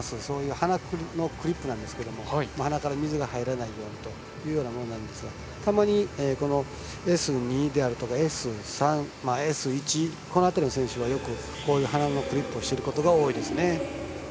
鼻のクリップなんですが鼻から水が入らないようにというものなんですがたまにＳ２とかＳ３、Ｓ１この辺りの選手は鼻のクリップをしていることが多いですね。